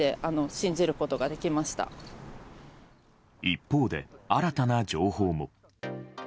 一方で、新たな情報も。